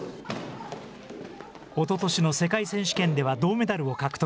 おととしの世界選手権では銅メダルを獲得。